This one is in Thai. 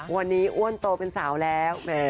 วันนี้อ้วนโตเป็นสาวแล้ว